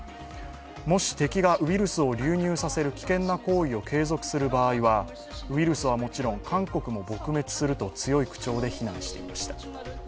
もし敵がウイルスを流入させる危険な行為を継続する場合はウイルスはもちろん、韓国も撲滅すると強い口調で非難していました。